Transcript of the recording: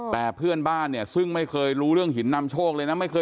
แต่เพื่อนบ้านเนี่ยซึ่งไม่เคยรู้เรื่องหินนำโชคเลยนะ